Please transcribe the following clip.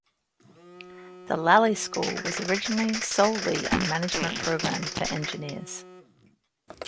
The Lally school was originally solely a management program for engineers.